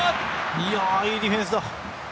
いいディフェンスだ。